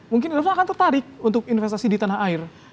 mungkin indonesia akan tertarik untuk investasi di tanah air